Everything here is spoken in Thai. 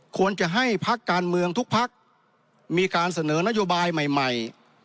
ควรจะให้พักการเมืองทุกพักมีการเสนอนโยบายใหม่